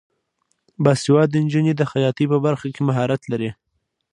باسواده نجونې د خیاطۍ په برخه کې مهارت لري.